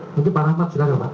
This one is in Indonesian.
mungkin pak rahmat silahkan pak